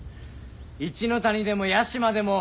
一ノ谷でも屋島でも。